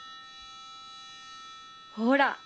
ほら。